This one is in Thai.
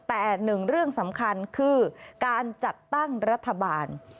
แต่หนึ่งเรื่องสำคัญคือการจัดตั้งรัฐบาล